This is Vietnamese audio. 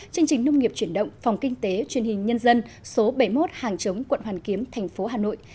chương trình nông nghiệp chuyển động phòng kinh tế chuyên hình nhân dân số bảy mươi một hàng chống quận hoàn kiếm tp hà nội